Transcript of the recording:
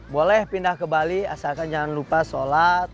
boleh pindah ke bali asalkan jangan lupa sholat